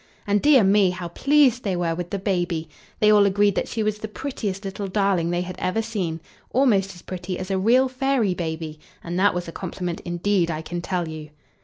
And, dear me! how pleased they were with the baby! They all agreed that she was the prettiest little darling they had ever seen almost as pretty as a real fairy baby and that was a compliment indeed, I can tell you.